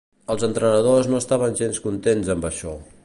Els entrenadors no estaven gens contents amb això.